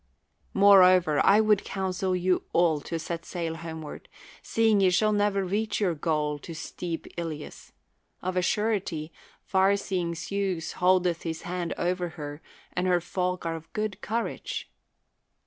Moreover, I would counsel you all to set sail homeward, seeing ye shall never reach your goal of steep Ilios; of a surety, far soeing Zeus hold eth his hand over her and her folk are of good courage.